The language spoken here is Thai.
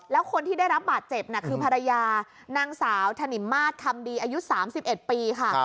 แล้วคนที่ได้รับบาดเจ็บคือภรรยานางสาวถนิมมาตรคำดีอายุ๓๑ปีค่ะ